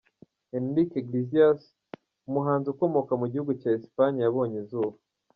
Enrique Iglesias, umuhanzi ukomoka mu gihugu cyaEspagne yabonye izuba.